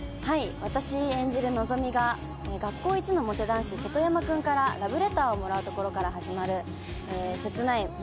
私演じるのぞみが学校イチのモテ男子、瀬戸山君からラブレターをもらうところから始まる切ない胸